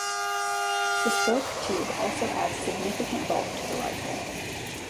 The scope tube also adds significant bulk to the rifle.